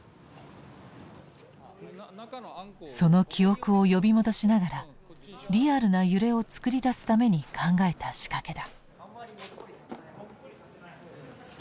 その記憶を呼び戻しながらリアルな揺れを作り出すために考えた仕掛けだ。